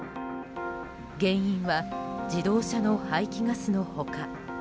原因は自動車の排気ガスの他